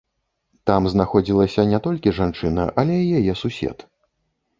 Там знаходзілася не толькі жанчына, але і яе сусед.